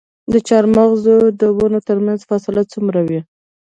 د چهارمغز د ونو ترمنځ فاصله څومره وي؟